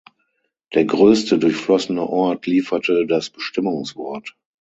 Der größte durchflossene Ort lieferte das Bestimmungswort.